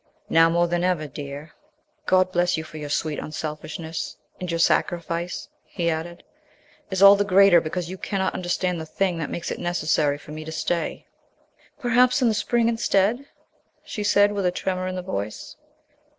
"Now more than ever, dear. God bless you for you sweet unselfishness. And your sacrifice," he added, "is all the greater because you cannot understand the thing that makes it necessary for me to stay." "Perhaps in the spring instead " she said, with a tremor in the voice.